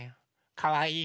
かわいいよ。